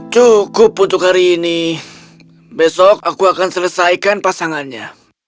cukup untuk hari ini besok aku akan selesaikan pasangannya